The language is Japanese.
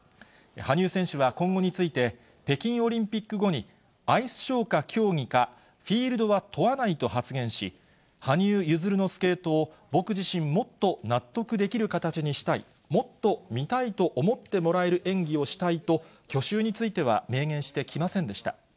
羽生選手は今後について、北京オリンピック後に、アイスショーか競技か、フィールドは問わないと発言し、羽生結弦のスケートを僕自身、もっと納得できる形にしたい、もっと見たいと思ってもらえる演技をしたいと、去就については明言してきませんでした。